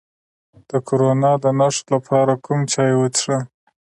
د کرونا د نښو لپاره کوم چای وڅښم؟